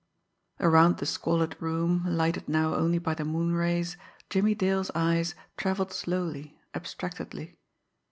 Around the squalid room, lighted now only by the moonrays, Jimmie Dale's eyes travelled slowly, abstractedly.